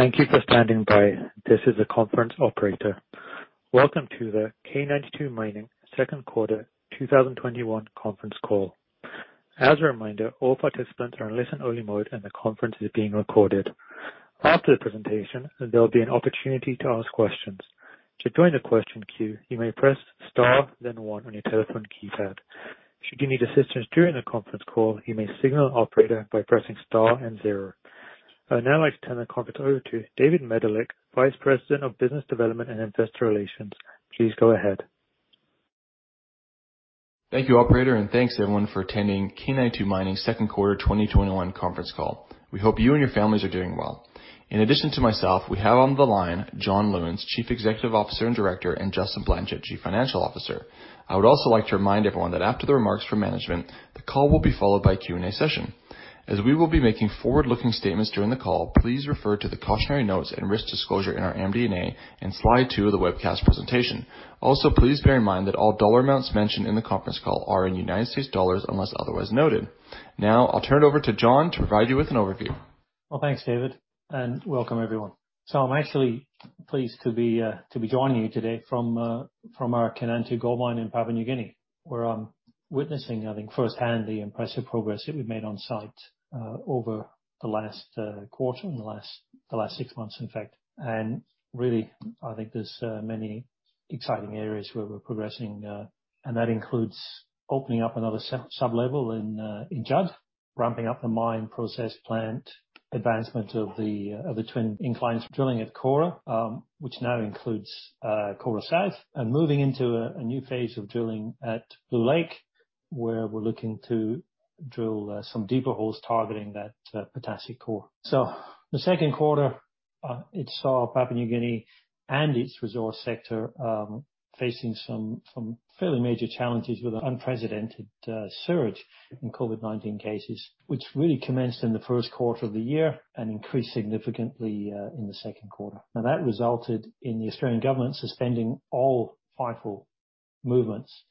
Thank you for standing by. This is the conference operator. Welcome to the K92 Mining Q2 2021 Conference Call. As a reminder, all participants are in listen only mode and the conference is being recorded. After the presentation, there'll be an opportunity to ask questions. To join the question queue, you may press star then one on your telephone keypad. Should you need assistance during the conference call, you may signal operator by pressing star and zero. I would now like to turn the conference over to David Medilek, Vice President of Business Development and Investor Relations. Please go ahead. Thank you, operator, and thanks everyone for attending K92 Mining Q2 2021 Conference Call. We hope you and your families are doing well. In addition to myself, we have on the line John Lewins, Chief Executive Officer and Director, and Justin Blanchet, Chief Financial Officer. I would also like to remind everyone that after the remarks from management, the call will be followed by a Q&A session. We will be making forward-looking statements during the call, please refer to the cautionary notes and risk disclosure in our MD&A and slide two of the webcast presentation. Please bear in mind that all dollar amounts mentioned in the conference call are in United States dollars unless otherwise noted. I'll turn it over to John to provide you with an overview. Well, thanks, David, and welcome everyone. I'm actually pleased to be joining you today from our Kainantu Gold Mine in Papua New Guinea, where I'm witnessing, I think firsthand, the impressive progress that we've made on site, over the last quarter and the last six months in fact and really. I think there's many exciting areas where we're progressing, and that includes opening up another sub-level in Judd, ramping up the mine process plant, advancement of the twin inclines drilling at Kora, which now includes Kora South, and moving into a new phase of drilling at Blue Lake, where we're looking to drill some deeper holes targeting that potassic core. The Q2, it saw Papua New Guinea and its resource sector, facing some fairly major challenges with unprecedented surge in COVID-19 cases, which really commenced in the Q1 of the year and increased significantly in the Q2. That resulted in the Australian government suspending all FIFO movements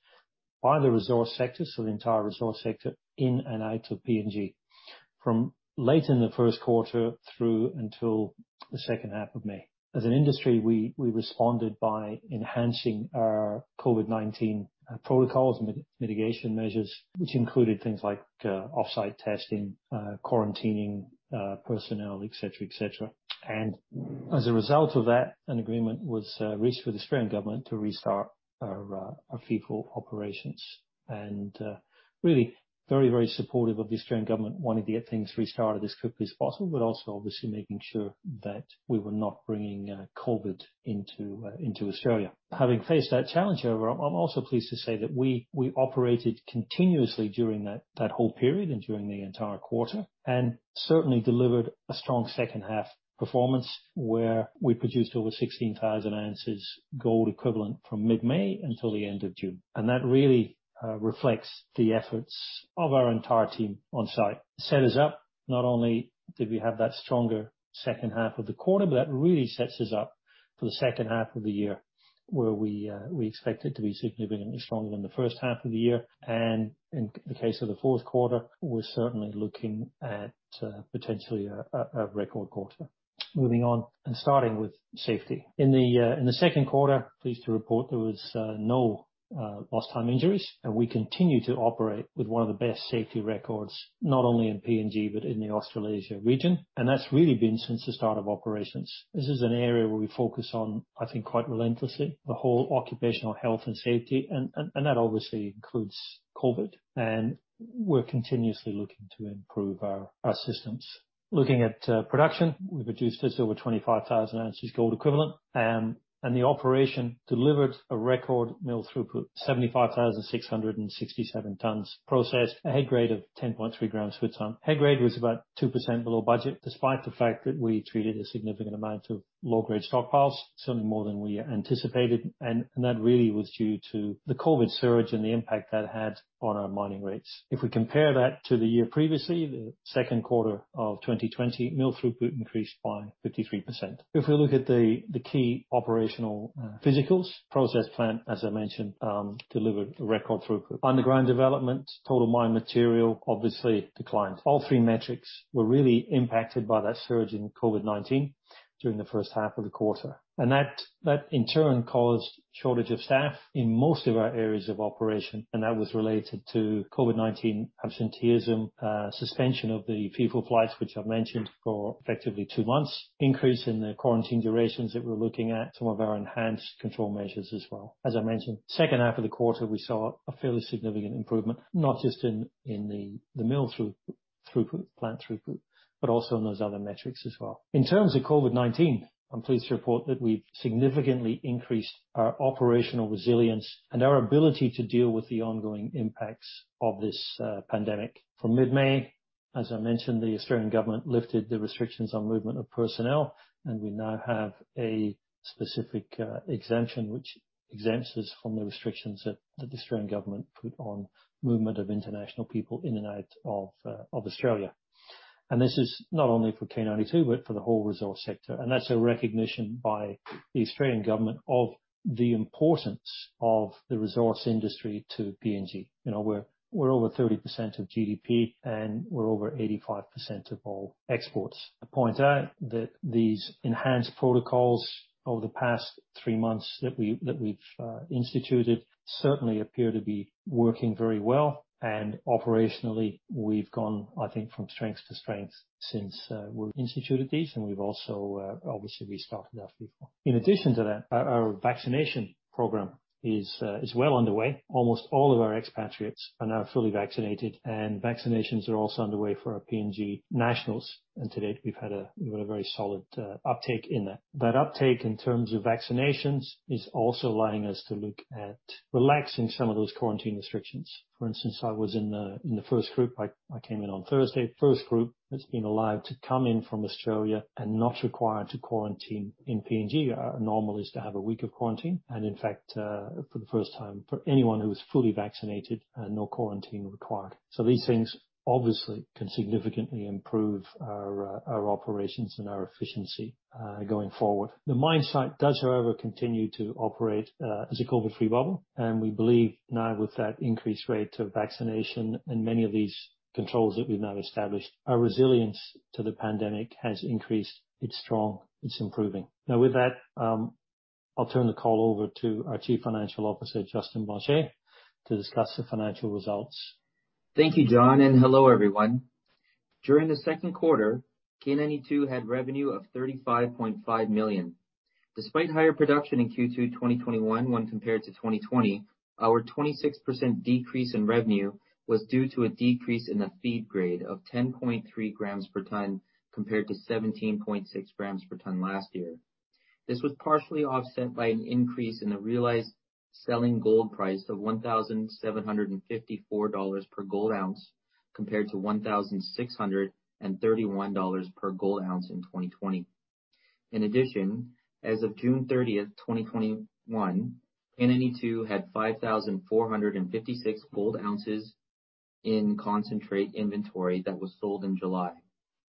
by the resource sector, so the entire resource sector in and out of PNG, from late in the Q1 through until the second half of May. As an industry, we responded by enhancing our COVID-19 protocols and mitigation measures, which included things like offsite testing, quarantining personnel, et cetera. As a result of that, an agreement was reached with Australian government to restart our FIFO operations. Really very supportive of the Australian government wanting to get things restarted as quickly as possible, but also obviously making sure that we were not bringing COVID into Australia. Having faced that challenge, however, I'm also pleased to say that we operated continuously during that whole period and during the entire quarter, and certainly delivered a strong second half performance where we produced over 16,000 ounces gold equivalent from mid-May until the end of June. That really reflects the efforts of our entire team on site. Set us up, not only did we have that stronger second half of the quarter, but that really sets us up for the second half of the year where we expect it to be significantly stronger than the first half of the year. In the case of the Q4, we're certainly looking at potentially a record quarter. Moving on and starting with safety. In the Q2, pleased to report there was no lost-time injuries. We continue to operate with one of the best safety records, not only in PNG but in the Australasia region. That's really been since the start of operations. This is an area where we focus on, I think, quite relentlessly, the whole occupational health and safety, and that obviously includes COVID-19. We're continuously looking to improve our systems. Looking at production, we produced just over 25,000 ounces gold equivalent. The operation delivered a record mill throughput, 75,667 tons processed, a head grade of 10.3 g per ton. Head grade was about 2% below budget, despite the fact that we treated a significant amount of low-grade stockpiles, certainly more than we anticipated, and that really was due to the COVID-19 surge and the impact that had on our mining rates. We compare that to the year previously, the Q2 of 2020, mill throughput increased by 53%. We look at the key operational physicals, process plant, as I mentioned, delivered a record throughput. Underground development, total mine material obviously declined. All three metrics were really impacted by that surge in COVID-19 during the first half of the quarter. That in turn caused shortage of staff in most of our areas of operation, and that was related to COVID-19 absenteeism, suspension of the FIFO flights, which I've mentioned, for effectively two months, increase in the quarantine durations that we're looking at, some of our enhanced control measures as well. As I mentioned, second half of the quarter, we saw a fairly significant improvement, not just in the mill throughput, plant throughput, but also in those other metrics as well. In terms of COVID-19, I'm pleased to report that we've significantly increased our operational resilience and our ability to deal with the ongoing impacts of this pandemic. From mid-May, as I mentioned, the Australian government lifted the restrictions on movement of personnel, and we now have a specific exemption which exempts us from the restrictions that the Australian government put on movement of international people in and out of Australia. This is not only for K92, but for the whole resource sector. That's a recognition by the Australian government of the importance of the resource industry to PNG. We're over 30% of GDP, and we're over 85% of all exports. I point out that these enhanced protocols over the past three months that we've instituted certainly appear to be working very well, and operationally we've gone, I think, from strength to strength since we instituted these. We've also, obviously, restarted our people. In addition to that, our vaccination program is well underway. Almost all of our expatriates are now fully vaccinated, and vaccinations are also underway for our PNG nationals. To date, we've had a very solid uptake in that. That uptake in terms of vaccinations is also allowing us to look at relaxing some of those quarantine restrictions. For instance, I was in the first group. I came in on Thursday, first group that's been allowed to come in from Australia and not required to quarantine in PNG. Our normal is to have a week of quarantine, and in fact, for the first time for anyone who is fully vaccinated, no quarantine required. These things obviously can significantly improve our operations and our efficiency going forward. The mine site does, however, continue to operate as a COVID-19 free bubble. We believe now with that increased rate of vaccination and many of these controls that we've now established, our resilience to the pandemic has increased. It's strong. It's improving. With that, I'll turn the call over to our Chief Financial Officer, Justin Blanchet, to discuss the financial results. Thank you, John, and hello, everyone. During the Q2, K92 had revenue of $35.5 million. Despite higher production in Q2 2021 when compared to 2020, our 26% decrease in revenue was due to a decrease in the feed grade of 10.3 g per ton compared to 17.6 grams per ton last year. This was partially offset by an increase in the realized selling gold price of $1,754 per gold ounce compared to $1,631 per gold ounce in 2020. In addition, as of June 30th, 2021, K92 had 5,456 gold ounces in concentrate inventory that was sold in July,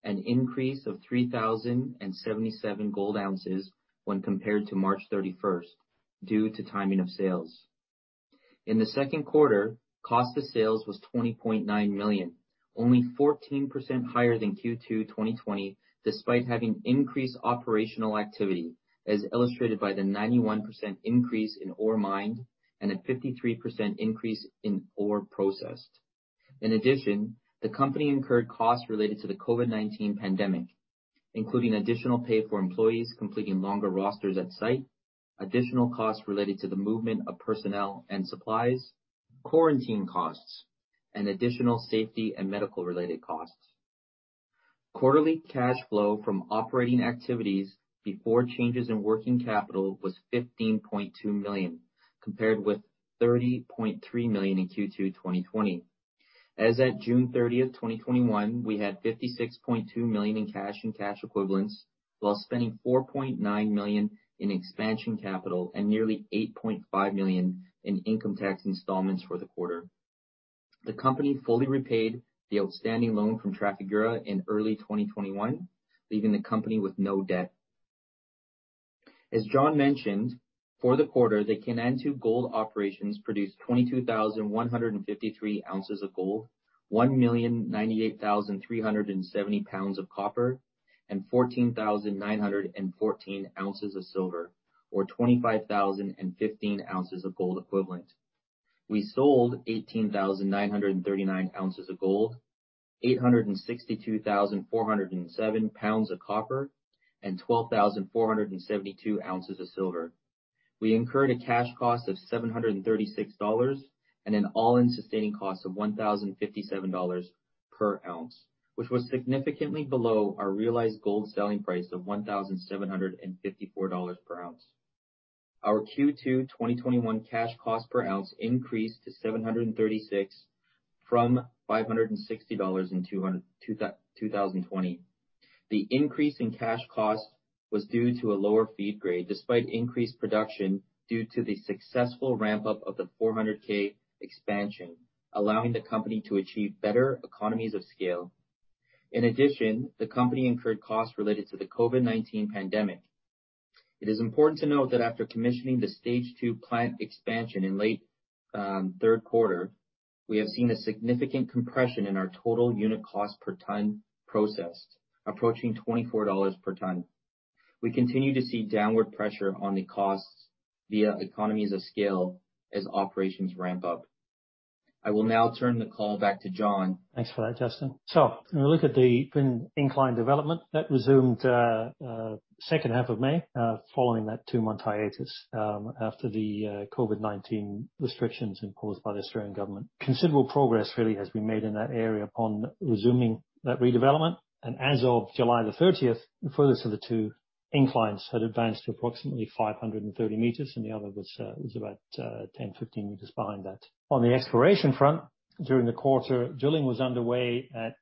an increase of 3,077 gold ounces when compared to March 31st due to timing of sales. In the Q2, cost of sales was $20.9 million, only 14% higher than Q2 2020, despite having increased operational activity as illustrated by the 91% increase in ore mined and a 53% increase in ore processed. In addition, the company incurred costs related to the COVID-19 pandemic, including additional pay for employees completing longer rosters at site, additional costs related to the movement of personnel and supplies, quarantine costs, and additional safety and medical related costs. Quarterly cash flow from operating activities before changes in working capital was $15.2 million, compared with $30.3 million in Q2 2020. As at June 30th, 2021, we had $56.2 million in cash and cash equivalents, while spending $4.9 million in expansion capital and nearly $8.5 million in income tax installments for the quarter. The company fully repaid the outstanding loan from Trafigura in early 2021, leaving the company with no debt. As John mentioned, for the quarter, the Kainantu Gold Operations produced 22,153 ounces of gold, 1,098,370 pounds of copper, and 14,914 ounces of silver, or 25,015 ounces of gold equivalent. We sold 18,939 ounces of gold, 862,407 pounds of copper, and 12,472 ounces of silver. We incurred a cash cost of $736 and an all-in sustaining cost of $1,057 per ounce, which was significantly below our realized gold selling price of $1,754 per ounce. Our Q2 2021 cash cost per ounce increased to $736 from $560 in 2020. The increase in cash cost was due to a lower head grade despite increased production due to the successful ramp-up of the 400k expansion, allowing the company to achieve better economies of scale. In addition, the company incurred costs related to the COVID-19 pandemic. It is important to note that after commissioning the Stage two plant expansion in late Q3, we have seen a significant compression in our total unit cost per ton processed, approaching $24 per ton. We continue to see downward pressure on the costs via economies of scale as operations ramp up. I will now turn the call back to John. Thanks for that, Justin. When we look at the twin incline development, that resumed second half of May, following that two-month hiatus after the COVID-19 restrictions imposed by the Australian government. Considerable progress really has been made in that area upon resuming that redevelopment. As of July 30th, the furthest of the two inclines had advanced to approximately 530 m, and the other was about 10 m, 15 m behind that. On the exploration front, during the quarter, drilling was underway at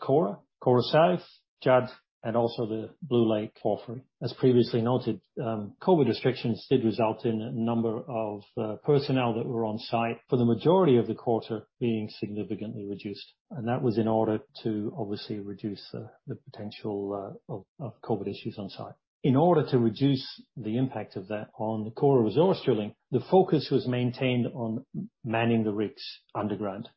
Kora South, Judd, and also the Blue Lake Porphyry. As previously noted, COVID restrictions did result in a number of personnel that were on site for the majority of the quarter being significantly reduced, and that was in order to obviously reduce the potential of COVID issues on-site. In order to reduce the impact of that on the core resource drilling, the focus was maintained on manning the rigs underground.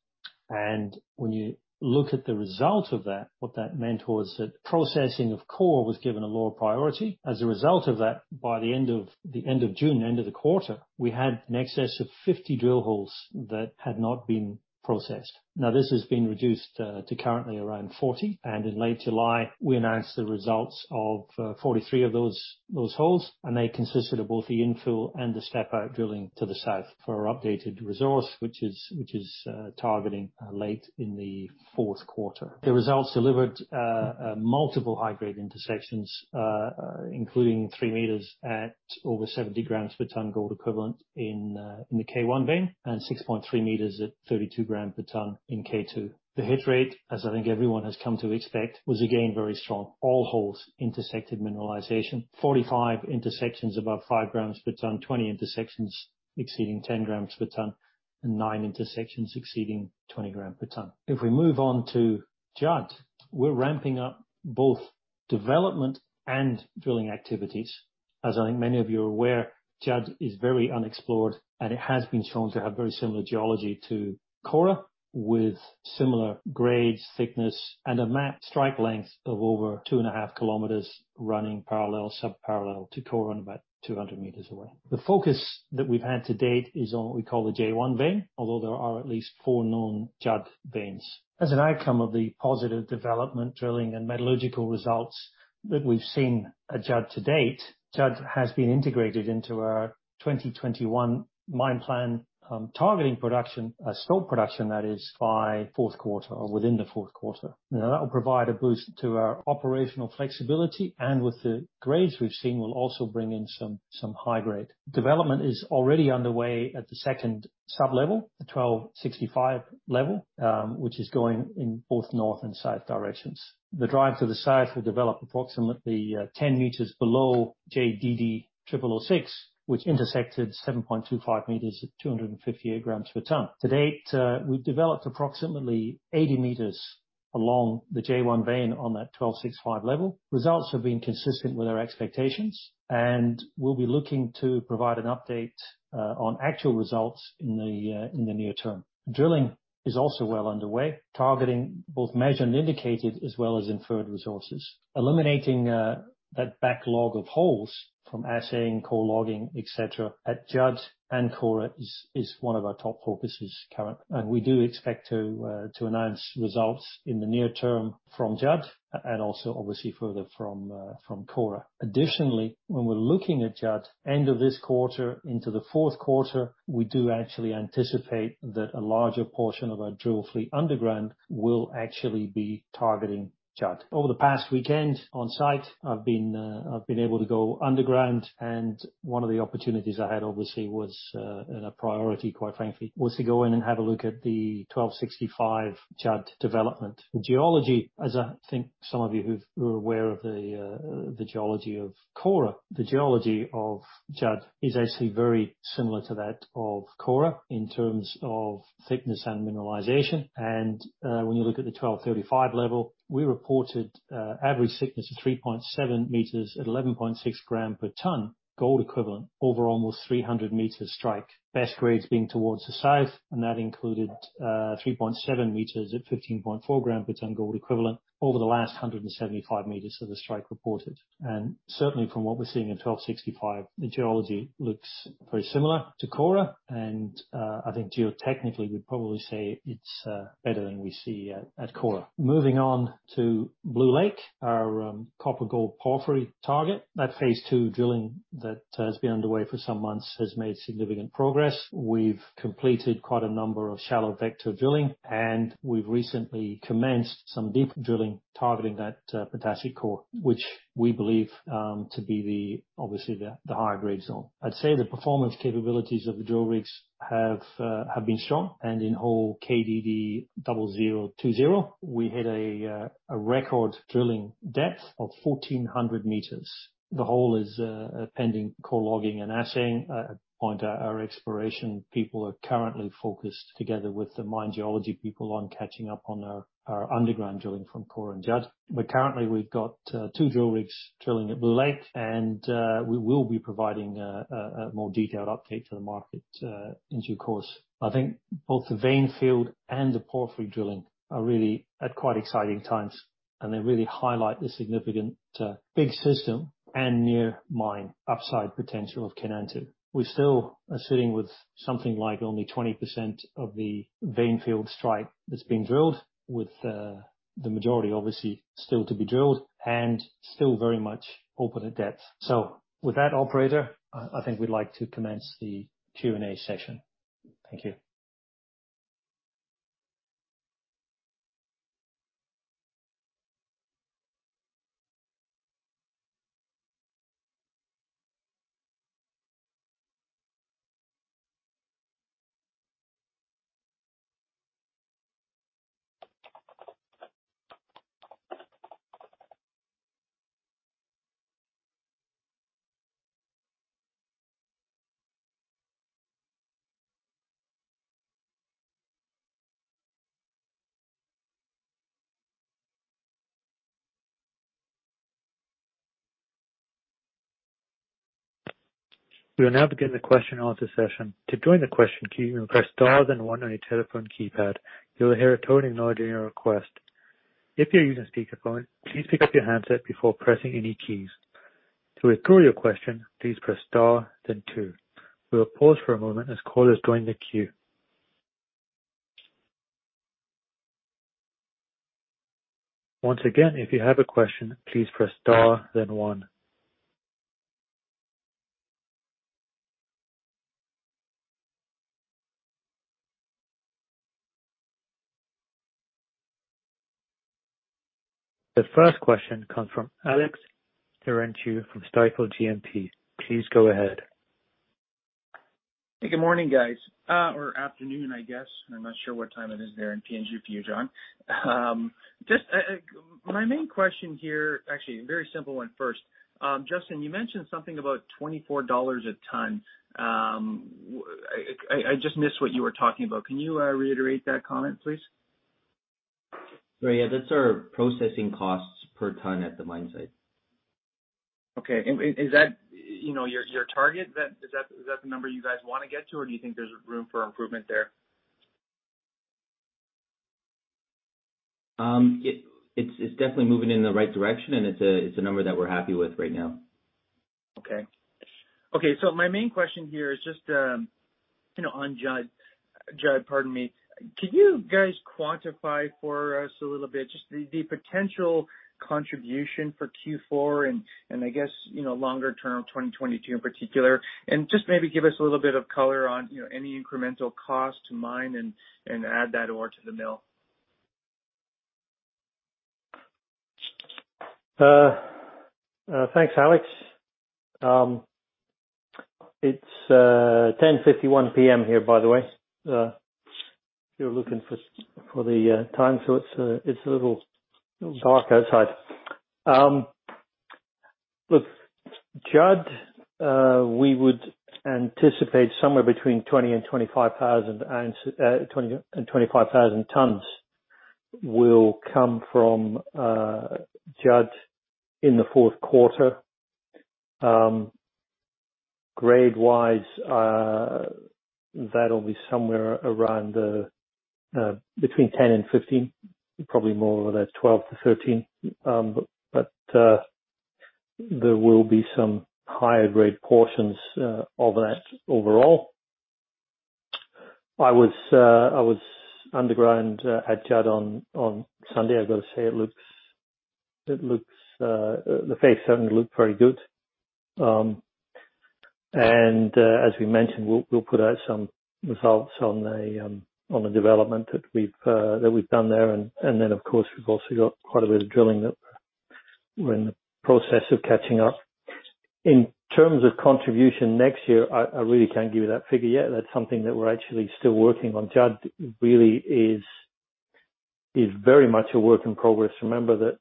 When you look at the result of that, what that meant was that processing of core was given a lower priority. As a result of that, by the end of June, end of the quarter, we had in excess of 50 drill holes that had not been processed. This has been reduced to currently around 40, and in late July, we announced the results of 43 of those holes, and they consisted of both the infill and the step-out drilling to the south for our updated resource, which is targeting late in the Q4. The results delivered multiple high-grade intersections, including 3 m at over 70 g per ton gold equivalent in the K1 Vein, and 6.3 m at 32 g per ton in K2. The hit rate, as I think everyone has come to expect, was again very strong. All holes intersected mineralization, 45 intersections above 5 g per ton, 20 intersections exceeding 10 g per ton, and 9 intersections exceeding 20 g per ton. If we move on to Judd, we're ramping up both development and drilling activities. As I think many of you are aware, Judd is very unexplored and it has been shown to have very similar geology to Kora, with similar grades, thickness, and a mapped strike length of over 2.5 Km running parallel, sub-parallel to Kora and about 200 m away. The focus that we've had to date is on what we call the J1 vein, although there are at least four known Judd veins. As an outcome of the positive development, drilling, and metallurgical results that we've seen at Judd to date, Judd has been integrated into our 2021 mine plan, targeting production, stope production that is, by Q4 or within the Q4. That will provide a boost to our operational flexibility, and with the grades we've seen, will also bring in some high grade. Development is already underway at the second sub-level, the 1265 level, which is going in both north and south directions. The drive to the south will develop approximately 10 m below JDD0006, which intersected 7.25 m at 258 g per ton. To date, we've developed approximately 80 m along the J1 vein on that 1265 level. Results have been consistent with our expectations, and we'll be looking to provide an update on actual results in the near term. Drilling is also well underway, targeting both measured and indicated as well as inferred resources. Eliminating that backlog of holes from assaying, core logging, et cetera, at Judd and Kora is one of our top focuses currently. We do expect to announce results in the near term from Judd and also obviously further from Kora. When we're looking at Judd, end of this quarter into the Q4, we do actually anticipate that a larger portion of our drill fleet underground will actually be targeting Judd. Over the past weekend on site, I've been able to go underground, and one of the opportunities I had obviously was, and a priority quite frankly, was to go in and have a look at the 1265 Judd development. The geology, as I think some of you who are aware of the geology of Kora, the geology of Judd is actually very similar to that of Kora in terms of thickness and mineralization. When you look at the 1235 level, we reported average thickness of 3.7 m at 11.6 g per ton gold equivalent over almost 300 m strike. Best grades being towards the south, that included 3.7 m at 15.4 g per ton gold equivalent over the last 175 m of the strike reported. Certainly from what we're seeing in 1265, the geology looks very similar to Kora, and I think geo-technically, we'd probably say it's better than we see at Kora. Moving on to Blue Lake, our copper gold porphyry target. That phase II drilling that has been underway for some months has made significant progress. We've completed quite a number of shallow vector drilling, and we've recently commenced some deep drilling targeting that potassic core, which we believe to be obviously the higher grade zone. I'd say the performance capabilities of the drill rigs have been strong. In hole KDD0020, we hit a record drilling depth of 1,400 m. The hole is pending core logging and assaying. I point out our exploration people are currently focused together with the mine geology people on catching up on our underground drilling from Kora and Judd. Currently we've got two drill rigs drilling at Blue Lake, and we will be providing a more detailed update to the market in due course. I think both the vein field and the porphyry drilling are really at quite exciting times, and they really highlight the significant big system and near mine upside potential of Kainantu. We still are sitting with something like only 20% of the vein field strike that's been drilled with the majority obviously still to be drilled and still very much open at depth. With that, operator, I think we'd like to commence the Q&A session. Thank you. We will now begin the question-and-answer session. To join the question queue, you may press star then one on your telephone keypad. You will hear a tone acknowledging your request. If you're using speakerphone, please pick up your handset before pressing any keys. To withdraw your question, please press star then two. We will pause for a moment as callers join the queue. Once again, if you have a question, please press star then one. The first question comes from Alex Terentiew from Stifel GMP. Please go ahead. Hey, good morning, guys, or afternoon, I guess. I am not sure what time it is there in Kianantu for you, John. My main question here, actually a very simple one first. Justin, you mentioned something about $24 a ton. I just missed what you were talking about. Can you reiterate that comment, please? Sorry, yeah. That's our processing costs per ton at the mine site. Okay. Is that your target? Is that the number you guys want to get to, or do you think there's room for improvement there? It's definitely moving in the right direction, and it's a number that we're happy with right now. My main question here is just on Judd. Can you guys quantify for us a little bit just the potential contribution for Q4 and, I guess, longer term, 2022 in particular? And just maybe give us a little bit of color on any incremental cost to mine and add that ore to the mill. Thanks, Alex Terentiew. It's 10:51 P.M. here, by the way, if you're looking for the time. It's a little dark outside. Look, Judd, we would anticipate somewhere between 20,000-25,000 tons will come from Judd in the Q4. Grade-wise, that'll be somewhere around between 10 and 15, probably more over that 12-13. There will be some higher grade portions of that overall. I was underground at Judd on Sunday. I've got to say, the face certainly looked very good. As we mentioned, we'll put out some results on the development that we've done there. Of course, we've also got quite a bit of drilling that we're in the process of catching up. In terms of contribution next year, I really can't give you that figure yet. That's something that we're actually still working on Judd really is very much a work in progress. Remember that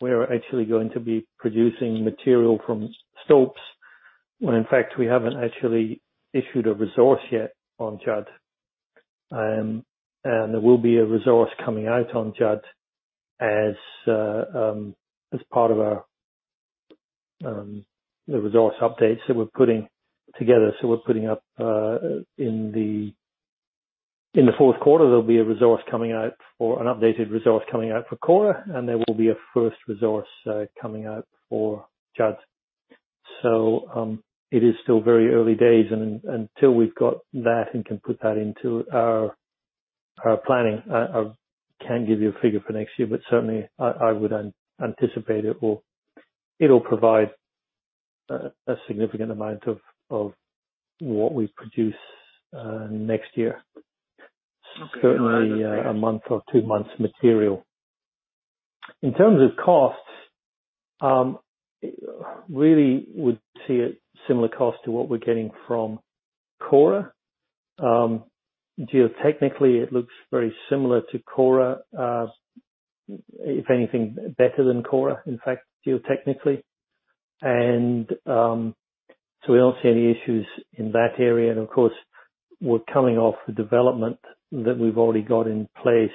we're actually going to be producing material from stopes when, in fact, we haven't actually issued a resource yet on Judd. There will be a resource coming out on Judd as part of our resource updates that we're putting together. We're putting up in the Q4, there'll be an updated resource coming out for Kora, and there will be a first resource coming out for Judd. It is still very early days, and until we've got that and can put that into our planning, I can't give you a figure for next year. Certainly, I would anticipate it'll provide a significant amount of what we produce next year. Okay. Certainly, a month or two months material. In terms of costs, really would see a similar cost to what we're getting from Kora. Geotechnically, it looks very similar to Kora. If anything, better than Kora, in fact, geotechnically. We don't see any issues in that area. Of course, we're coming off the development that we've already got in place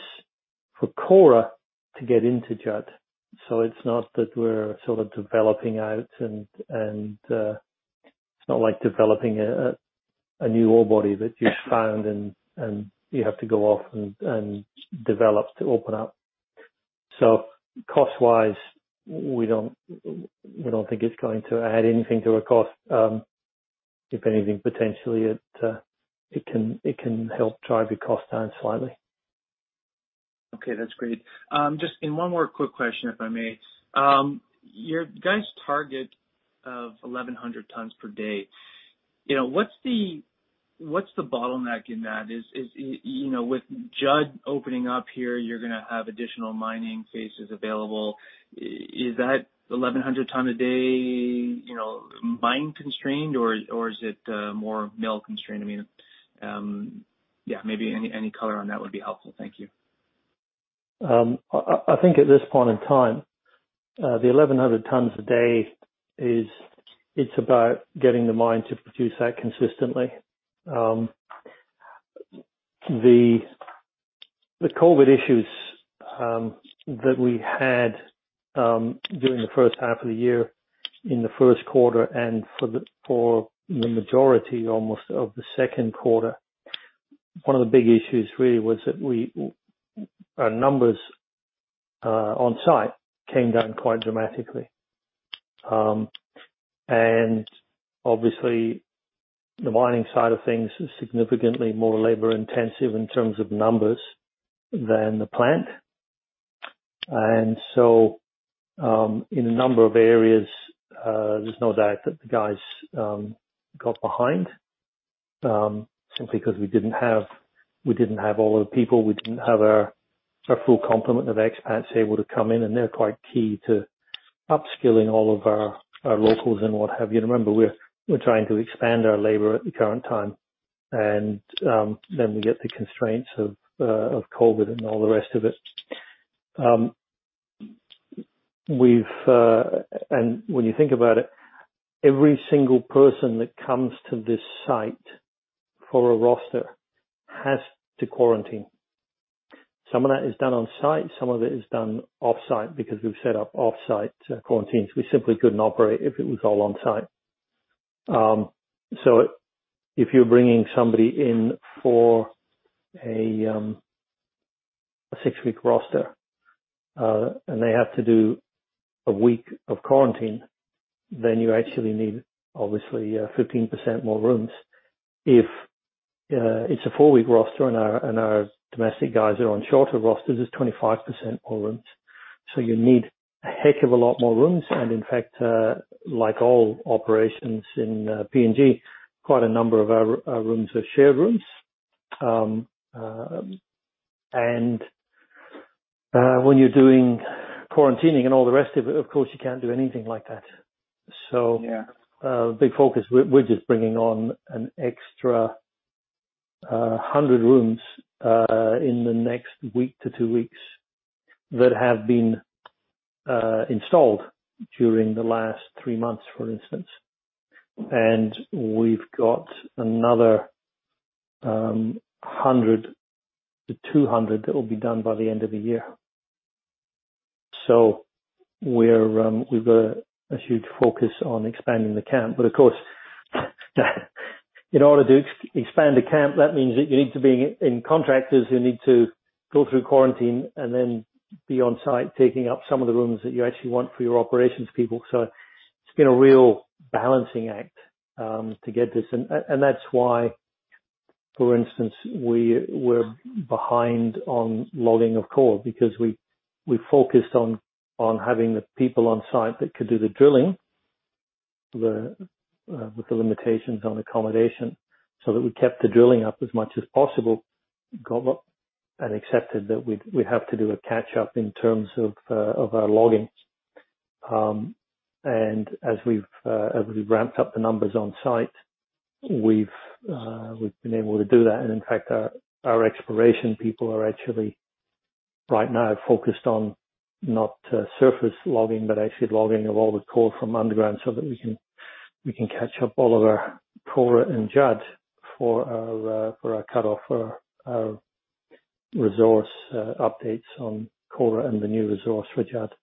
for Kora to get into Judd. It's not that we're sort of developing out and it's not like developing a new ore body that you found and you have to go off and develop to open up. Cost-wise, we don't think it's going to add anything to our cost. If anything, potentially, it can help drive your cost down slightly. Okay, that's great. Just one more quick question, if I may. Your guys' target of 1,100 tons per day, what's the bottleneck in that? With Judd opening up here, you're going to have additional mining phases available. Is that 1,100 ton a day mine constrained, or is it more mill constrained? Maybe any color on that would be helpful. Thank you. I think at this point in time, the 1,100 tons a day is about getting the mine to produce that consistently. The COVID-19 issues that we had during the first half of the year, in the Q1, and for the majority almost of the Q2, one of the big issues really was that our numbers on-site came down quite dramatically. Obviously, the mining side of things is significantly more labor-intensive in terms of numbers than the plant. In a number of areas, there's no doubt that the guys got behind, simply because we didn't have all of the people, we didn't have our full complement of expats able to come in, and they're quite key to upskilling all of our locals and what have you. Remember, we're trying to expand our labor at the current time. Then we get the constraints of COVID-19 and all the rest of it. When you think about it, every single person that comes to this site for a roster has to quarantine. Some of that is done on-site, some of it is done off-site because we've set up off-site quarantines. We simply couldn't operate if it was all on-site. If you're bringing somebody in for a six-week roster, and they have to do a week of quarantine, then you actually need, obviously, 15% more rooms. If it's a four-week roster, and our domestic guys are on shorter rosters, it's 25% more rooms. You need a heck of a lot more rooms, and in fact, like all operations in PNG, quite a number of our rooms are shared rooms. When you're doing quarantining and all the rest of it, of course, you can't do anything like that. Yeah. Big focus. We're just bringing on an extra 100 rooms in the next week to two weeks that have been installed during the last three months, for instance. We've got another 100-200 that will be done by the end of the year. We've got a huge focus on expanding the camp. Of course, in order to expand the camp, that means that you need to bring in contractors who need to go through quarantine and then be on-site, taking up some of the rooms that you actually want for your operations people. It's been a real balancing act to get this. That's why, for instance, we were behind on logging of core because we focused on having the people on-site that could do the drilling, with the limitations on accommodation, so that we kept the drilling up as much as possible, and accepted that we'd have to do a catch-up in terms of our logging. As we've ramped up the numbers on-site, we've been able to do that. In fact, our exploration people are actually right now focused on not surface logging, but actually logging of all the core from underground so that we can catch up all of our Kora and Judd for our cut-off, for our resource updates on Kora and the new resource for Judd.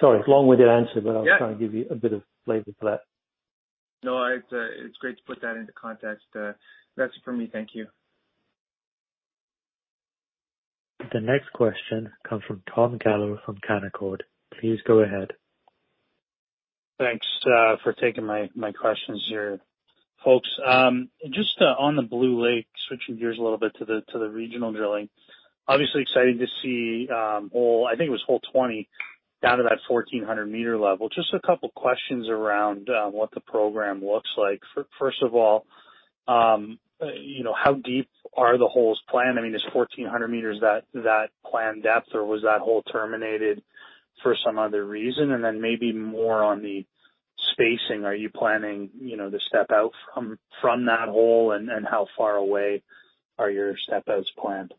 Sorry, long-winded answer. Yeah I was trying to give you a bit of flavor for that. No, it's great to put that into context. That's it for me. Thank you. The next question comes from Tom Gallo from Canaccord Genuity. Please go ahead. Thanks for taking my questions here, folks. Just on the Blue Lake, switching gears a little bit to the regional drilling. Obviously excited to see hole, I think it was hole 20, down to that 1,400 m level. Just a couple questions around what the program looks like. First of all, how deep are the holes planned? I mean, is 1,400 m that planned depth, or was that hole terminated for some other reason? Maybe more on the spacing. Are you planning the step-out from that hole? How far away are your step-outs planned?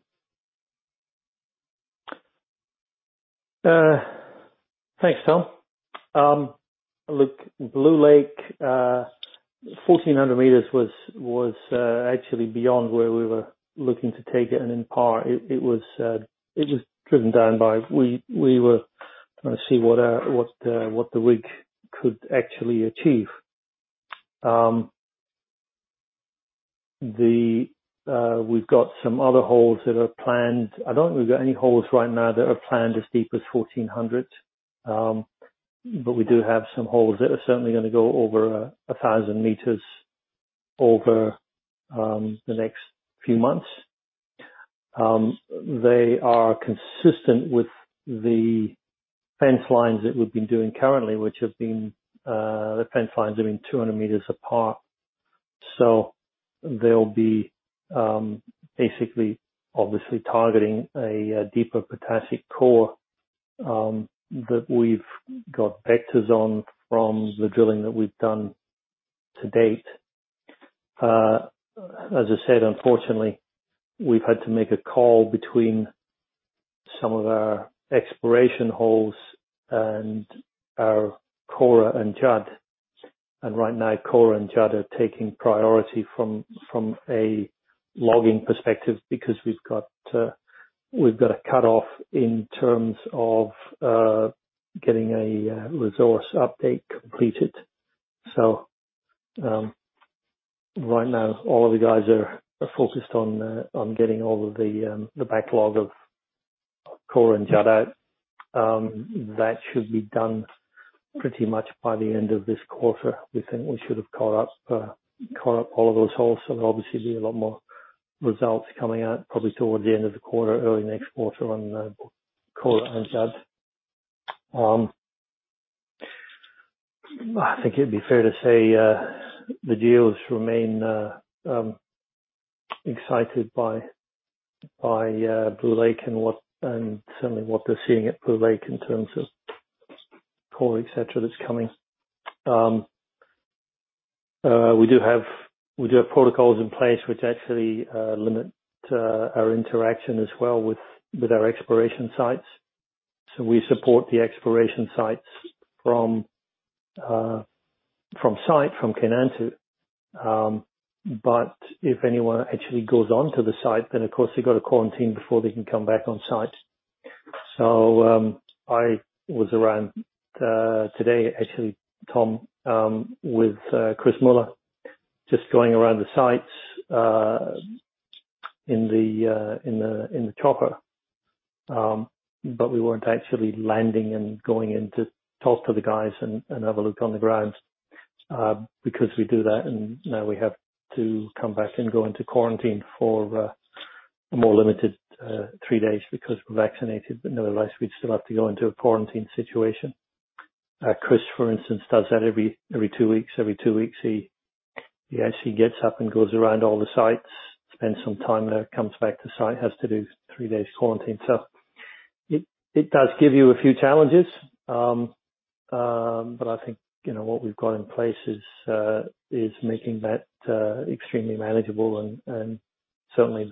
Thanks, Tom. Look, Blue Lake, 1,400 m was actually beyond where we were looking to take it. In part, it was driven down by, we were trying to see what the rig could actually achieve. We've got some other holes that are planned. I don't think we've got any holes right now that are planned as deep as 1,400 m. We do have some holes that are certainly going to go over 1,000 m over the next few months. They are consistent with the fence lines that we've been doing currently, the fence lines have been 200 m apart. They'll be basically, obviously targeting a deeper potassic core that we've got vectors on from the drilling that we've done to date. As I said, unfortunately, we've had to make a call between some of our exploration holes and our Kora and Judd. Right now, Kora and Judd are taking priority from a logging perspective because we've got a cutoff in terms of getting a resource update completed. Right now, all of the guys are focused on getting all of the backlog of Kora and Judd out. That should be done pretty much by the end of this quarter. We think we should have caught up all of those holes. There'll obviously be a lot more results coming out probably towards the end of the quarter, early next quarter on Kora and Judd. I think it'd be fair to say the deals remain excited by Blue Lake and certainly what they're seeing at Blue Lake in terms of core, et cetera, that's coming. We do have protocols in place which actually limit our interaction as well with our exploration sites. We support the exploration sites from site, from Kainantu. If anyone actually goes onto the site, then of course they've got to quarantine before they can come back on site. I was around today actually, Tom, with Chris Muller, just going around the sites in the chopper. We weren't actually landing and going in to talk to the guys and have a look on the ground. Because we do that and now we have to come back and go into quarantine for a more limited three days because we're vaccinated, but nevertheless, we'd still have to go into a quarantine situation. Chris, for instance, does that every two weeks. Every two weeks, he actually gets up and goes around all the sites, spends some time there, comes back to site, has to do three days quarantine. It does give you a few challenges. I think what we've got in place is making that extremely manageable and certainly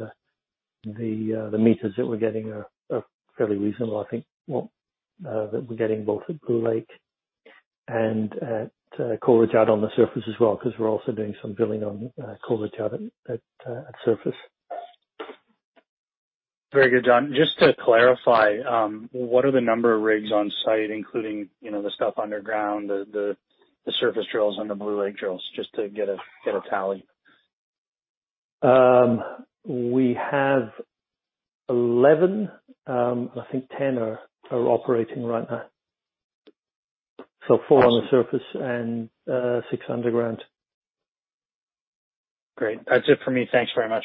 the meters that we're getting are fairly reasonable, I think. Well, that we're getting both at Blue Lake and at Kora Judd on the surface as well, because we're also doing some drilling on Kora Judd at surface. Very good, John. Just to clarify, what are the number of rigs on site, including the stuff underground, the surface drills, and the Blue Lake drills, just to get a tally? We have 11. I think 10 are operating right now. Four on the surface and six underground. Great. That's it for me. Thanks very much.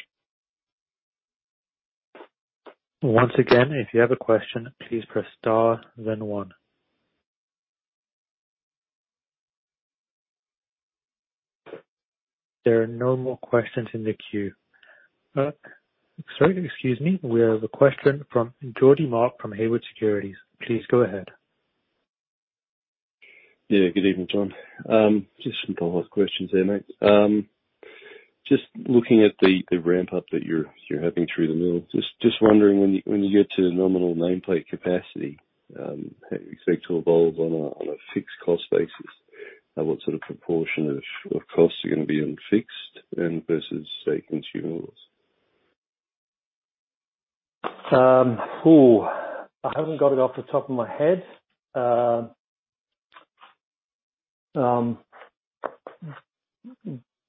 Once again, if you have a question, please press star then one. There are no more questions in the queue. Sorry. Excuse me. We have a question from Geordie Mark from Haywood Securities. Please go ahead. Yeah. Good evening, John. Just some follow-up questions there, mate. Just looking at the ramp up that you're having through the mill, just wondering when you get to nominal nameplate capacity, how you expect to evolve on a fixed cost basis, and what sort of proportion of costs are going to be unfixed and versus, say, consumables? I haven't got it off the top of my head.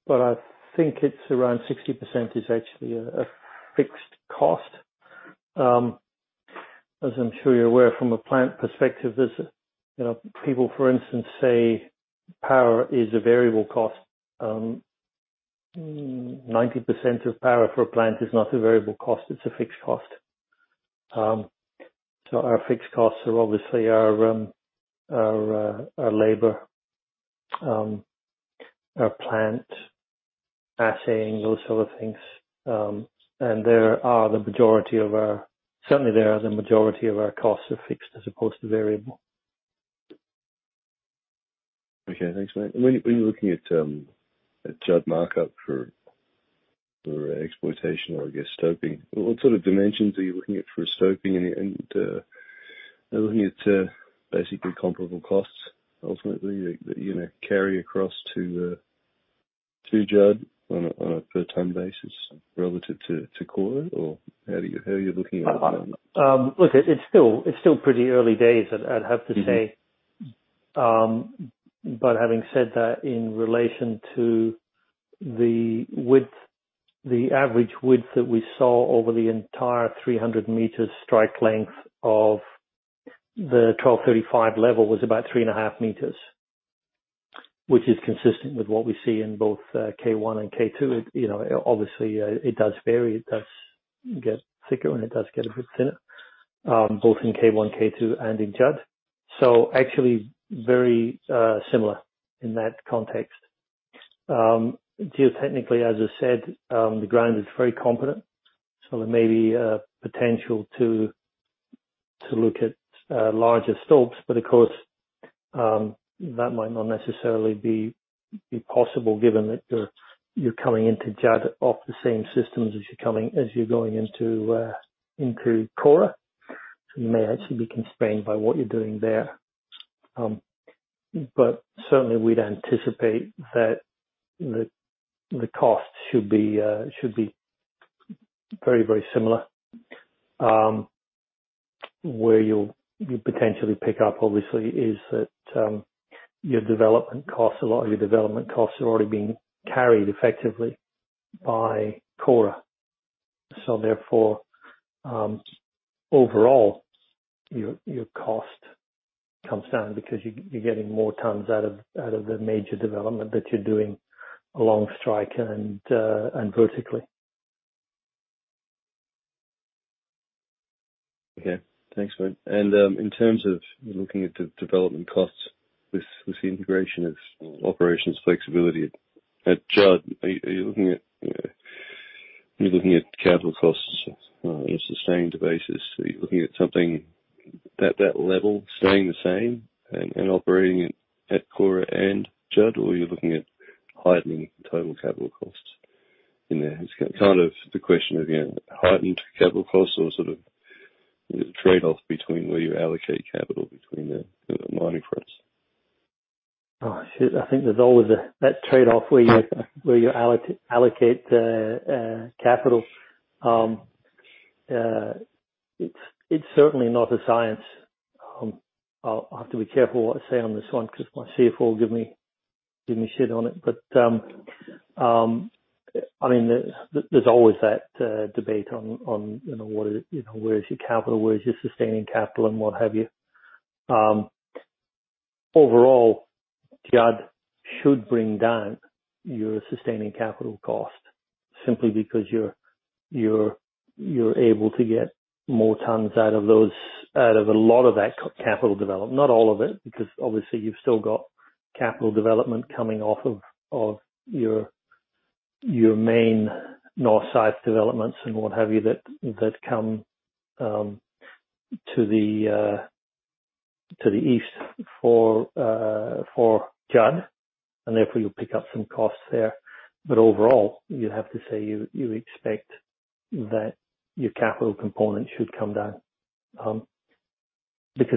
I think it's around 60% is actually a fixed cost. As I'm sure you're aware from a plant perspective, there's people, for instance, say power is a variable cost. 90% of power for a plant is not a variable cost, it's a fixed cost. Our fixed costs are obviously our labor, our plant, assaying, those sort of things. The majority of our costs are fixed as opposed to variable. Okay. Thanks, mate. When you're looking at Judd markup for exploitation or, I guess, stoping, what sort of dimensions are you looking at for stoping and looking at basically comparable costs ultimately that you're going to carry across to Judd on a per ton basis relative to Kora? Or how are you looking at that? Look, it's still pretty early days, I'd have to say. Having said that, in relation to the average width that we saw over the entire 300-m strike length of the 1235 level was about 3.5 m, which is consistent with what we see in both K1 and K2. Obviously, it does vary. It does get thicker and it does get a bit thinner, both in K1, K2, and in Judd. Actually very similar in that context. Geotechnically, as I said, the ground is very competent, so there may be a potential to look at larger stopes, but of course. That might not necessarily be possible given that you're coming into Judd off the same systems as you're going into Kora. You may actually be constrained by what you're doing there. Certainly, we'd anticipate that the cost should be very similar. Where you'll potentially pick up, obviously, is that your development costs, a lot of your development costs are already being carried effectively by Kora. Therefore, overall, your cost comes down because you're getting more tons out of the major development that you're doing along strike and vertically. Okay. Thanks, mate. In terms of looking at the development costs with the integration of operations flexibility at Judd, are you looking at capital costs on a sustained basis? Are you looking at something at that level staying the same and operating at Kora and Judd, or are you looking at heightening total capital costs in there? It's kind of the question of, again, heightened capital costs or sort of trade-off between where you allocate capital between the mining fronts. Oh, shit. I think there's always that trade-off where you allocate the capital. It's certainly not a science. I'll have to be careful what I say on this one because my CFO will give me shit on it. There's always that debate on where is your capital, where is your sustaining capital, and what have you. Overall, Judd should bring down your sustaining capital cost simply because you're able to get more tons out of a lot of that capital development. Not all of it, because obviously you've still got capital development coming off of your main north side developments and what have you, that come to the east for Judd, and therefore, you'll pick up some costs there. Overall, you have to say you expect that your capital component should come down.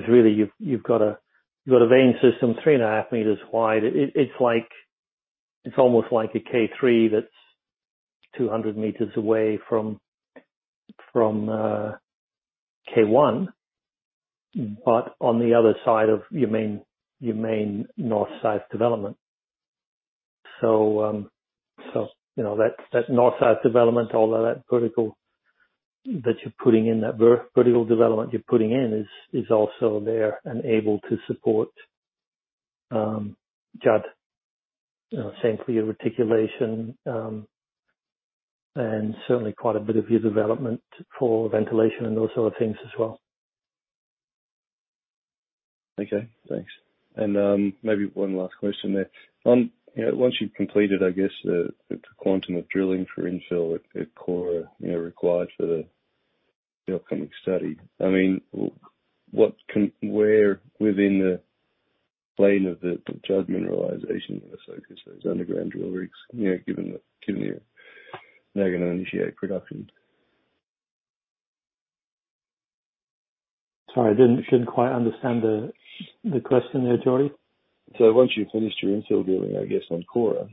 Really, you've got a vein system 3.5 m wide. It's almost like a K3 that's 200 m away from K1, but on the other side of your main north side development. That north side development, all of that vertical that you're putting in, that vertical development you're putting in is also there and able to support Judd. Same for your reticulation, and certainly quite a bit of your development for ventilation and those sort of things as well. Okay, thanks. Maybe one last question there. Once you've completed, I guess the quantum of drilling for infill at Kora required for the upcoming study, where within the plane of the Judd mineralization are you going to focus those underground drill rigs, given you're now going to initiate production? Sorry, I didn't quite understand the question there, Geordie. Once you've finished your infill drilling, I guess, on Kora,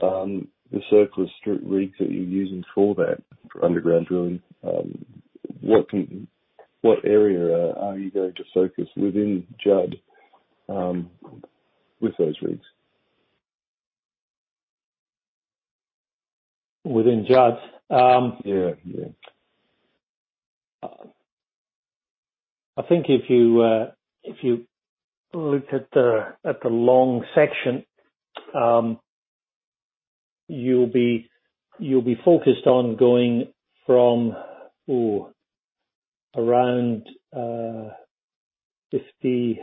the circular strip rigs that you're using for that underground drilling, what area are you going to focus within Judd with those rigs? Within Judd? Yeah. I think if you looked at the long section, you'll be focused on going from around 50,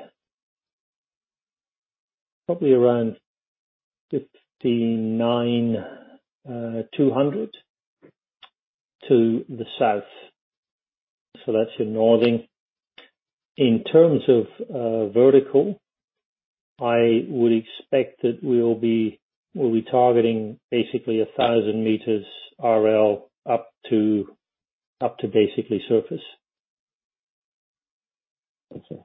probably around 59,200 to the south. That's your northing. In terms of vertical, I would expect that we'll be targeting basically 1,000 m RL up to basically surface. Okay.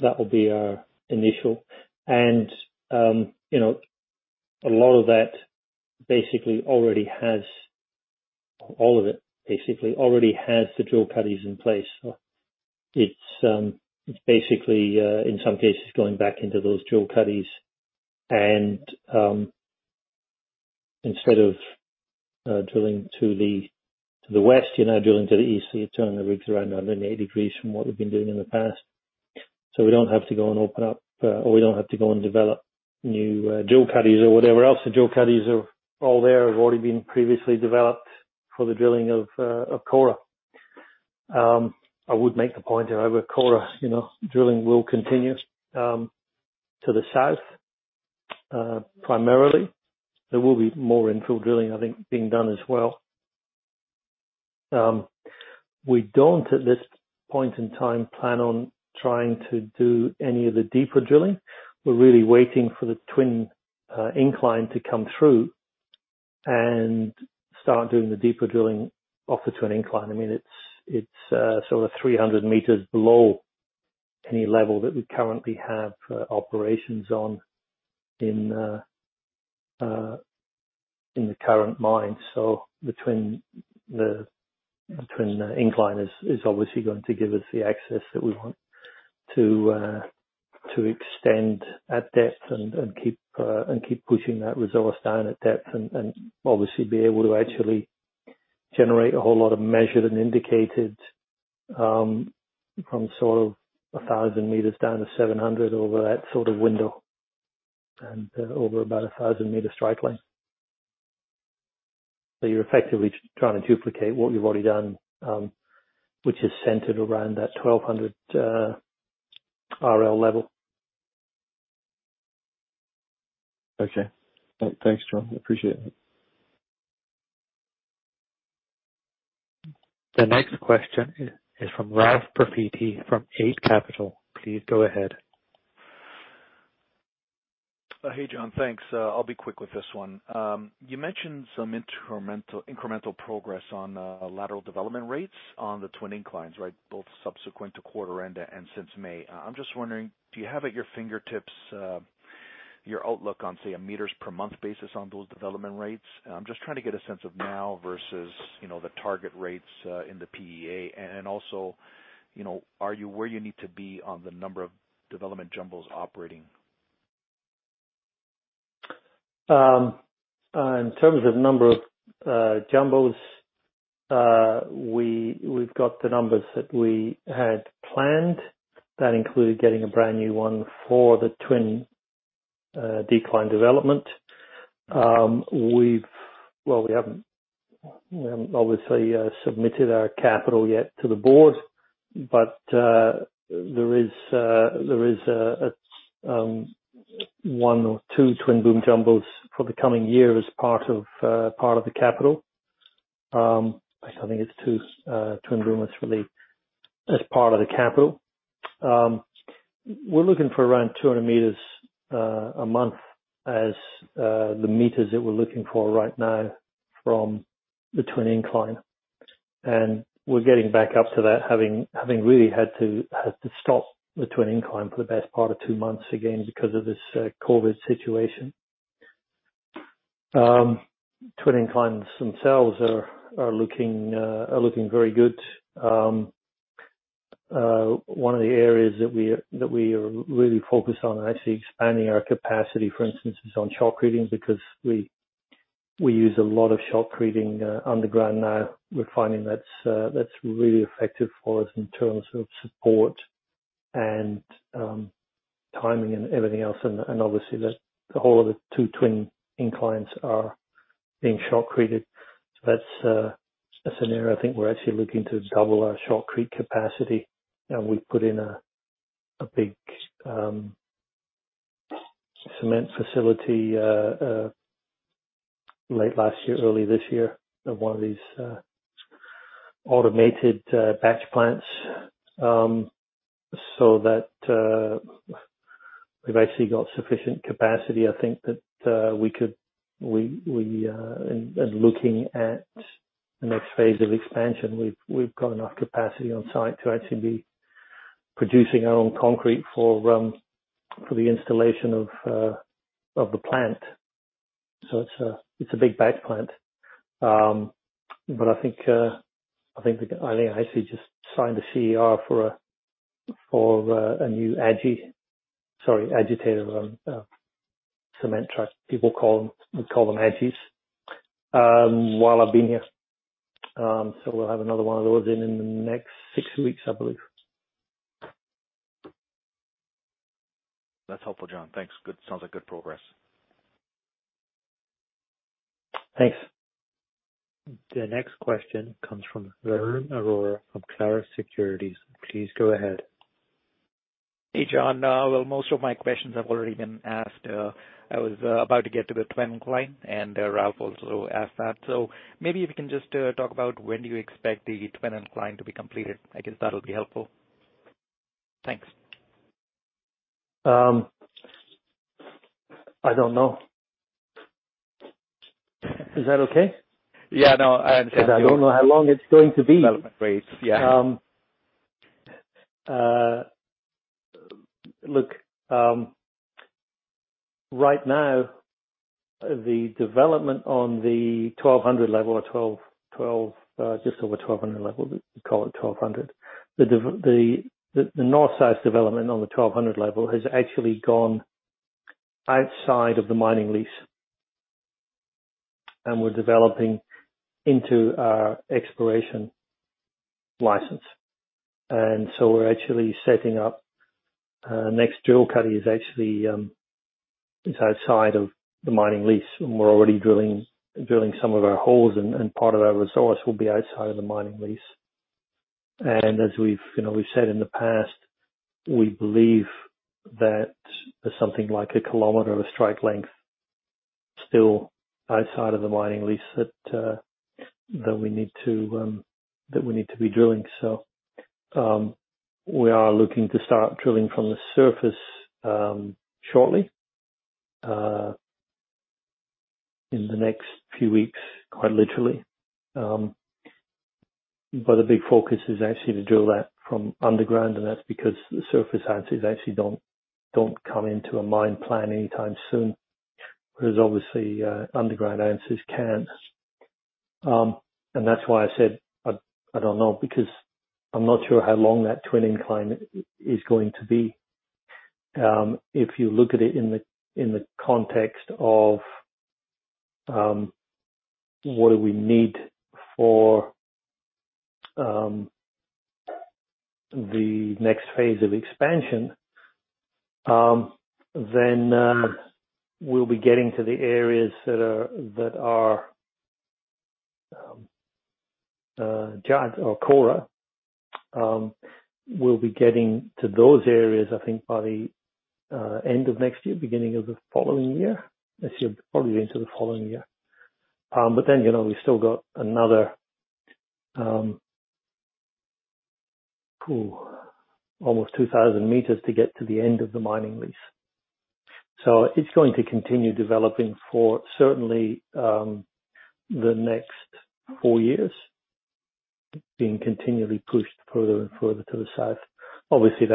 That will be our initial. All of it basically already has the drill cuttings in place. It's basically, in some cases, going back into those drill cuttings and instead of drilling to the west, you're now drilling to the east, you're turning the rigs around 180 degrees from what we've been doing in the past. We don't have to go and open up or we don't have to go and develop new drill cuttings or whatever else. The drill cuttings are all there, have already been previously developed for the drilling of Kora. I would make the point, however, Kora drilling will continue to the south. Primarily, there will be more infill drilling, I think, being done as well. We don't, at this point in time, plan on trying to do any of the deeper drilling. We're really waiting for the twin incline to come through and start doing the deeper drilling off the twin incline. It's sort of 300 m below any level that we currently have operations on in the current mine. The twin incline is obviously going to give us the access that we want to extend at depth and keep pushing that resource down at depth, and obviously be able to actually generate a whole lot of measured and indicated, from sort of 1,000 m down to 700 m over that sort of window, and over about 1,000-m strike length. You're effectively trying to duplicate what you've already done, which is centered around that 1,200 RL level. Okay. Thanks, John. I appreciate it. The next question is from Ralph Profiti of Eight Capital. Please go ahead. Hey, John. Thanks. I'll be quick with this one. You mentioned some incremental progress on lateral development rates on the twin inclines, right? Both subsequent to quarter end and since May. I'm just wondering, do you have at your fingertips your outlook on, say, a meters per month basis on those development rates? I'm just trying to get a sense of now versus the target rates in the PEA. Also, are you where you need to be on the number of development jumbos operating? In terms of number of jumbos, we've got the numbers that we had planned. That included getting a brand-new one for the twin decline development. We haven't obviously submitted our capital yet to the board, but there is one or two twin boom jumbos for the coming year as part of the capital. I think it's two twin booms, really, as part of the capital. We're looking for around 200 m a month as the meters that we're looking for right now from the twin incline. We're getting back up to that, having really had to stop the twin incline for the best part of two months again because of this COVID-19 situation. Twin inclines themselves are looking very good. One of the areas that we are really focused on actually expanding our capacity, for instance, is on shotcreting because we use a lot of shotcreting underground now. We're finding that's really effective for us in terms of support and timing and everything else. Obviously, the whole of the two twin inclines are being shotcreted. That's a scenario. I think we're actually looking to double our shotcrete capacity. We've put in a big cement facility late last year, early this year, one of these automated batch plants. We've actually got sufficient capacity. I think that we are looking at the next phase of expansion. We've got enough capacity on site to actually be producing our own concrete for the installation of the plant. It's a big batch plant. I think I actually just signed a CER for a new agitator cement truck. People call them agis, while I've been here. We'll have another one of those in the next six weeks, I believe. That's helpful, John. Thanks. Sounds like good progress. Thanks. The next question comes from Varun Arora of Clarus Securities. Please go ahead. Hey, John. Well, most of my questions have already been asked. I was about to get to the twin incline, and Ralph also asked that. Maybe if you can just talk about when do you expect the twin incline to be completed, I guess that'll be helpful. Thanks. I don't know. Is that okay? Yeah, no, I understand- I don't know how long it's going to be. Development rates. Yeah. Look, right now, the development on the 1,200 level or just over 1,200 level, but we call it 1,200. The north side's development on the 1,200 level has actually gone outside of the mining lease, and we're developing into our exploration license. We're actually setting up, next drill cut is actually, is outside of the mining lease, and we're already drilling some of our holes, part of our resource will be outside of the mining lease. As we've said in the past, we believe that there's something like a kilometer of strike length still outside of the mining lease that we need to be drilling. We are looking to start drilling from the surface shortly, in the next few weeks, quite literally. The big focus is actually to drill that from underground, and that's because the surface answers actually don't come into a mine plan anytime soon. Obviously, underground answers can. That's why I said, I don't know, because I'm not sure how long that twin incline is going to be. If you look at it in the context of what do we need for the next phase of expansion, then we'll be getting to the areas that are, Judd or Kora, we'll be getting to those areas I think by the end of next year, beginning of the following year. I'd say probably into the following year. Then, we've still got another almost 2,000 m to get to the end of the mining lease. It's going to continue developing for certainly the next four years, being continually pushed further and further to the south. Obviously,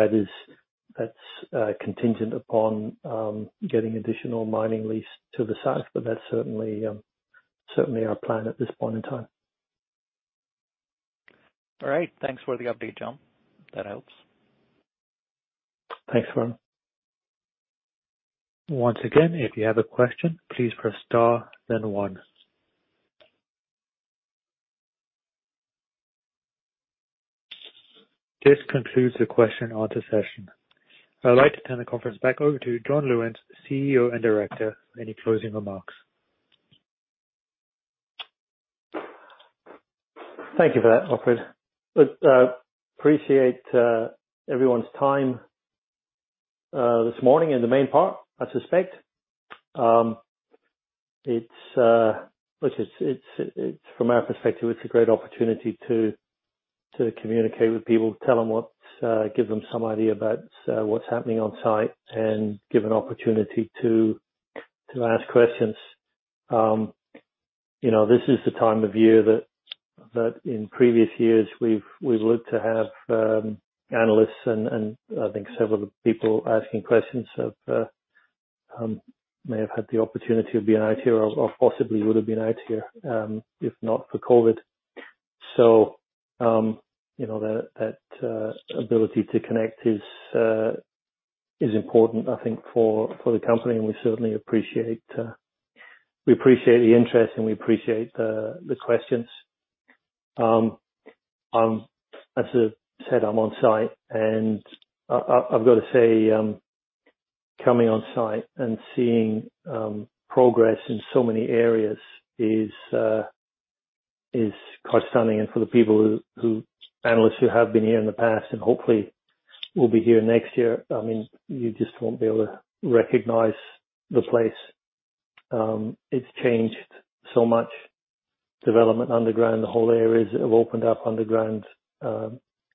that's contingent upon getting additional mining lease to the south, but that's certainly our plan at this point in time. All right. Thanks for the update, John. That helps. Thanks, Varun. Once again, if you have a question, please press star then one. This concludes the question-and-answer session. I'd like to turn the conference back over to John Lewins, CEO and Director for any closing remarks. Thank you for that, operator. Appreciate everyone's time this morning, in the main part, I suspect. From our perspective, it's a great opportunity to communicate with people, give them some idea about what's happening on-site, and give an opportunity to ask questions. This is the time of year that in previous years we've looked to have analysts and I think several of the people asking questions may have had the opportunity of being out here or possibly would've been out here if not for COVID-19. That ability to connect is important, I think, for the company, and we certainly appreciate the interest and we appreciate the questions. As I said, I'm on-site and I've got to say, coming on-site and seeing progress in so many areas is quite stunning. For the analysts who have been here in the past and hopefully will be here next year, you just won't be able to recognize the place. It's changed so much. Development underground, the whole areas have opened up underground.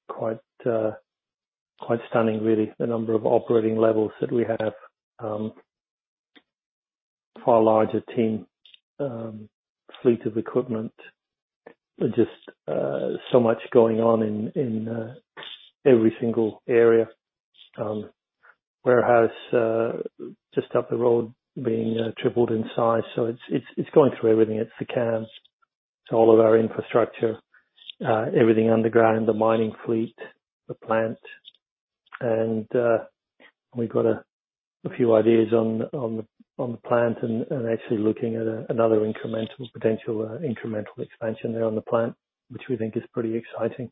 Quite stunning, really, the number of operating levels that we have for our larger team. Fleet of equipment. Just so much going on in every single area. Warehouse just up the road being tripled in size. It's going through everything. It's the camps. It's all of our infrastructure. Everything underground, the mining fleet, the plant. We've got a few ideas on the plant and actually looking at another potential incremental expansion there on the plant, which we think is pretty exciting.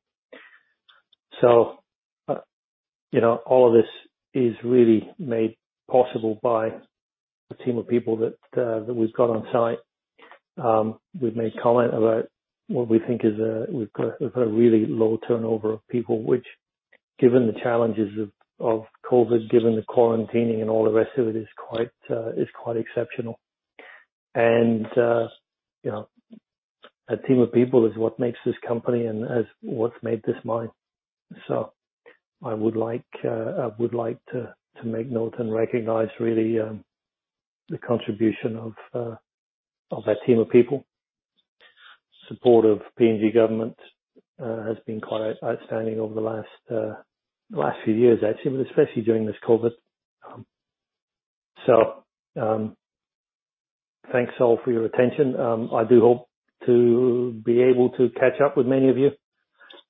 All of this is really made possible by the team of people that we've got on-site. We've made comment about what we think is a, we've got a really low turnover of people, which given the challenges of COVID-19, given the quarantining and all the rest of it, is quite exceptional. That team of people is what makes this company and is what's made this mine. I would like to make note and recognize, really, the contribution of that team of people. Support of PNG government has been quite outstanding over the last few years actually, but especially during this COVID-19. Thanks all for your attention. I do hope to be able to catch up with many of you.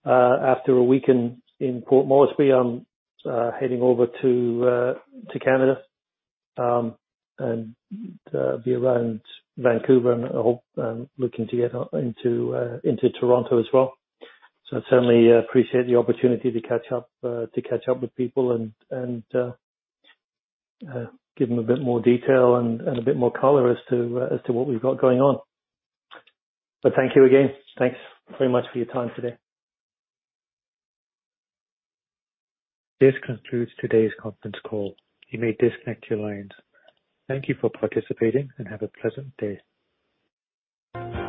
After a weekend in Port Moresby, I'm heading over to Canada, and to be around Vancouver and I'm looking to get into Toronto as well. I certainly appreciate the opportunity to catch up with people and give them a bit more detail and a bit more color as to what we've got going on. Thank you again. Thanks very much for your time today. This concludes today's conference call. You may disconnect your lines. Thank you for participating and have a pleasant day.